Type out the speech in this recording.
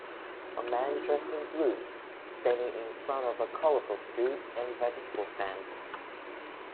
A man dressed in blue standing in front of a colorful fruit and vegetable stand